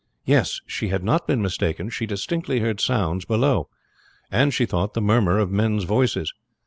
Yes, she had not been mistaken; she distinctly heard sounds below, and, she thought, the murmur of men's voices.